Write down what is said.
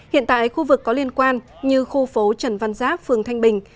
hiện tại khu vực có liên quan như khu phố trần văn giáp phường thanh bình